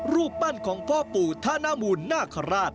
รูปปั้นของพ่อปู่ธนมูลนาคาราช